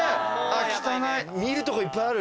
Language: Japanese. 見るとこいっぱいある。